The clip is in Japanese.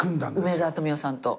梅沢富美男さんと。